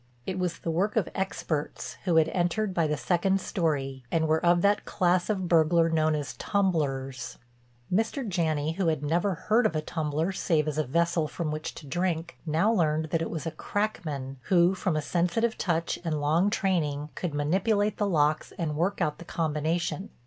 It was the work of experts, who had entered by the second story, and were of that class of burglar known as "tumblers" Mr. Janney, who had never heard of a "tumbler" save as a vessel from which to drink, now learned that it was a crackman, who from a sensitive touch and long training, could manipulate the locks and work out the combination.